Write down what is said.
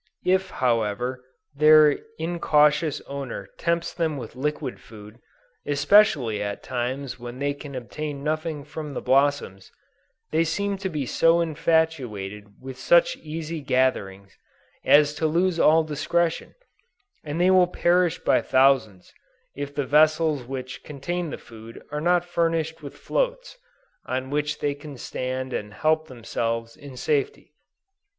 If however, their incautious owner tempts them with liquid food, especially at times when they can obtain nothing from the blossoms, they seem to be so infatuated with such easy gatherings, as to lose all discretion, and they will perish by thousands, if the vessels which contain the food are not furnished with floats, on which they can stand and help themselves in safety.